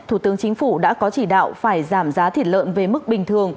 thủ tướng chính phủ đã có chỉ đạo phải giảm giá thịt lợn về mức bình thường